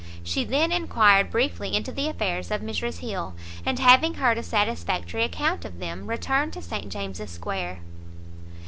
She then enquired briefly into the affairs of Mrs Hill, and having heard a satisfactory account of them, returned to St James's square.